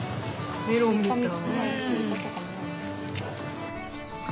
メロンみたい。